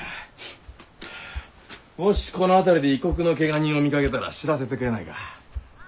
もしこの辺りで異国のけが人を見かけたら知らせてくれないか。